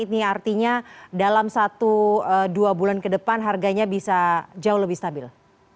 ini artinya dalam satu dua bulan ke depan harganya bisa jauh lebih stabil